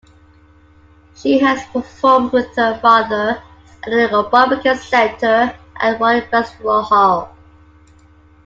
She has performed with her father at The Barbican Centre and Royal Festival Hall.